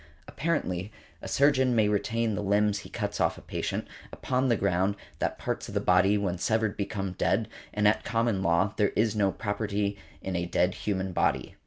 Apparently a surgeon may retain the limbs he cuts off a patient, upon the ground that parts of the body when severed become dead, and at common law there is no property in a dead human body.